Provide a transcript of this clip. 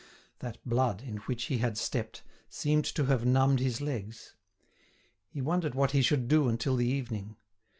That blood, in which he had stepped, seemed to have numbed his legs. He wondered what he should do until the evening.